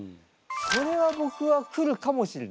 それは僕は来るかもしれない。